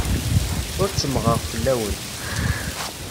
Ur ttemmɣeɣ fell-awen.